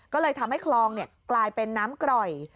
ก็เลยทำให้คลองกลายเป็นน้ำกร่อย